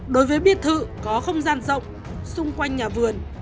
đối với biệt thự có không gian rộng xung quanh nhà vườn